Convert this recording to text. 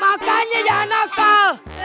makanya jangan nakal